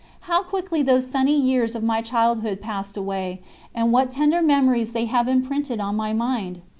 How quickly those sunny years of my childhood passed away, and what tender memories they have imprinted on my mind!